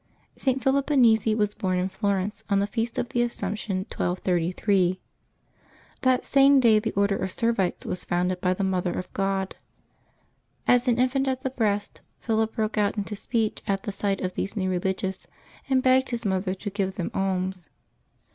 [t. Philip Benizi was born in Florence, on the Feast of the Assumption, 1233. That same day the Order of Servites was founded by the Mother of God. As an infant at the breast, Philip broke out into speech at the sight of these new religious, and begged his mother to give them alms.